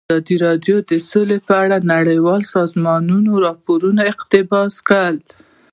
ازادي راډیو د سوله په اړه د نړیوالو سازمانونو راپورونه اقتباس کړي.